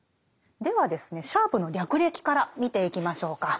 ではですねシャープの略歴から見ていきましょうか。